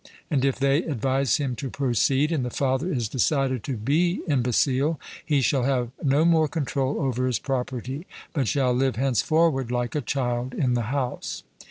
And if they advise him to proceed, and the father is decided to be imbecile, he shall have no more control over his property, but shall live henceforward like a child in the house.